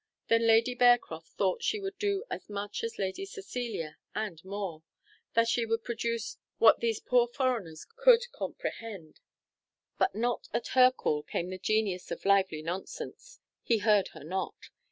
Then Lady Bearcroft thought she would do as much as Lady Cecilia, and more that she would produce what these poor foreigners could comprehend. But not at her call came the genius of lively nonsense, he heard her not.